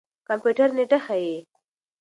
کمپيوټر نېټه ښيي.